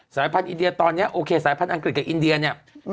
สายพันธุอินเดียตอนนี้โอเคสายพันธ์อังกฤษกับอินเดียเนี่ย